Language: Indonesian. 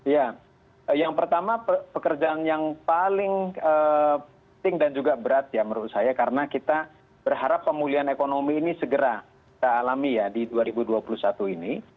ya yang pertama pekerjaan yang paling penting dan juga berat ya menurut saya karena kita berharap pemulihan ekonomi ini segera kita alami ya di dua ribu dua puluh satu ini